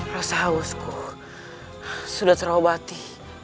rasaku sudah terobati